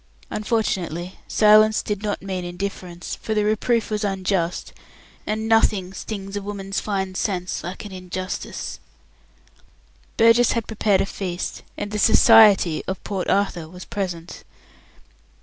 Unfortunately, silence did not mean indifference, for the reproof was unjust, and nothing stings a woman's fine sense like an injustice. Burgess had prepared a feast, and the "Society" of Port Arthur was present.